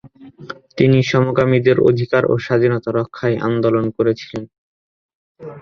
তিনি সমকামীদের অধিকার ও স্বাধীনতা রক্ষায় আন্দোলন করেছিলেন।